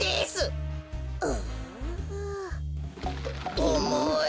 おもい！